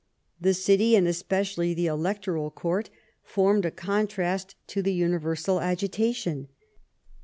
The city, and especially the Electoral Court, formed a contrast to the universal agitation.